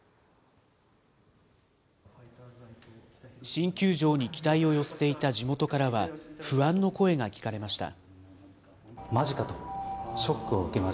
新球場に期待を寄せていた地元からは、不安の声が聞かれました。